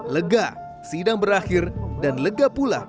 lega sidang berakhir dan lega pula